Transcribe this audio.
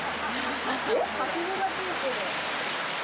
えっ、はしごがついてる。